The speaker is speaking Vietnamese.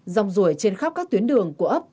dòng rủi trên khắp các tuyến đường của ấp